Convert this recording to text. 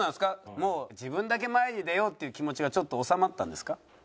もう自分だけ前に出ようっていう気持ちはちょっと収まったんですか？